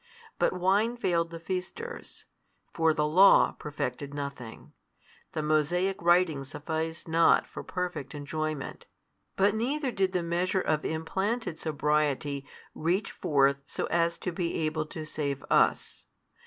But wine failed the feasters; for the law perfected nothing, the Mosaic writing sufficed not for perfect enjoyment, but neither did the measure of implanted sobriety reach forth so as to be able to save us.